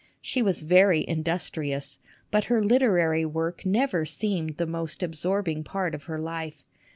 She was very industrious, but her literary work never seemed the most absorbing part of her life.